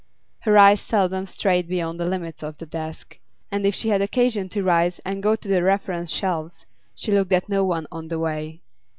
Her eyes seldom strayed beyond the limits of the desk; and if she had occasion to rise and go to the reference shelves, she looked at no one on the way.